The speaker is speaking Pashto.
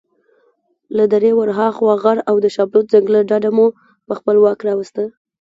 له درې ورهاخوا غر او د شابلوط ځنګله ډډه مو په خپل واک راوسته.